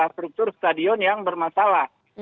struktur stadion yang bermasalah